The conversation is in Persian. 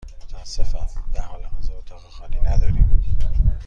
متأسفم، در حال حاضر اتاق خالی نداریم.